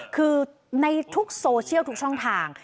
คือในทุกโซเชียลทุกช่องทาง